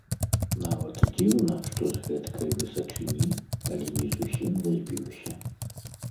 Нават дзіўна, што з гэткай высачыні, але не зусім разбіўся!